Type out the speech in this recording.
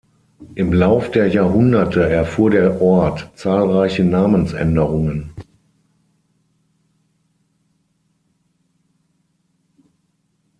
Im Lauf der Jahrhunderte erfuhr der Ort zahlreiche Namensänderungen.